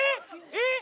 えっ！